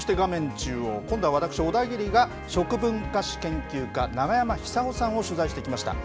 中央、今度は私、小田切が、食文化史研究家、永山久夫さんを取材してきました。